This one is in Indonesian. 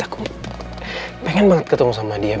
aku pengen banget ketemu sama dia